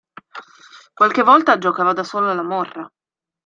Qualche volta giocava da solo alla morra.